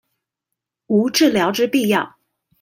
無治療之必要